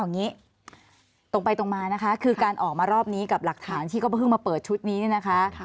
อย่างนี้ตรงไปตรงมานะคะคือการออกมารอบนี้กับหลักฐานที่ก็เพิ่งมาเปิดชุดนี้เนี่ยนะคะ